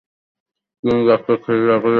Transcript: তিনি ডা. খেরি অগলুকে বিয়ে করেন।